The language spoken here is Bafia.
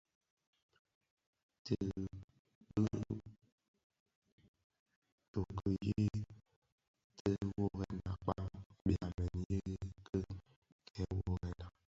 Ti bitoki yi tè woworèn akpaň byamèn yiiki kè worrena,